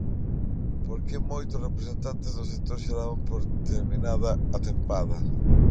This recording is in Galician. Porque moitos representantes do sector xa daban por terminada a tempada.